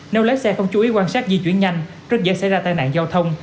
nếu lái xe không chú ý quan sát di chuyển nhanh rất dễ xảy ra tai nạn giao thông